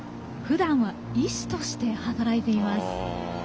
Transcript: ふだんは医師として働いています。